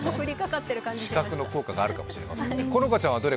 視覚の効果があるかも知れませんね。